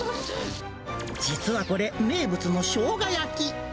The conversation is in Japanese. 実はこれ、名物のしょうが焼き。